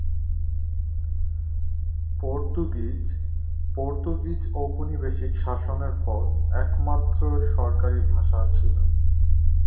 Portuguese Portuguese ঔপনিবেশিক শাসনের পর একমাত্র সরকারী ভাষা ছিল।